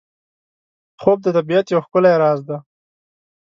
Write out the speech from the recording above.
خوب د طبیعت یو ښکلی راز دی